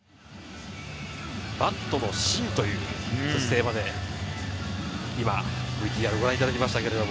バットの芯という今ＶＴＲをご覧いただきました。